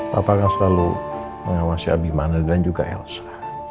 papa kan selalu mengawasi abimane dan juga elsa